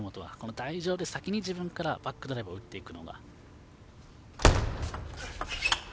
台上で先に自分からバックドライブを打っていくのが。